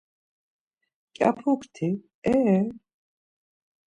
Mǩyapukti, Eee...